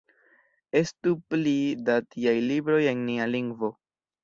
Estu pli da tiaj libroj en nia lingvo!